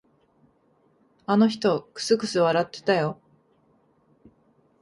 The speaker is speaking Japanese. あの人、くすくす笑ってたよ。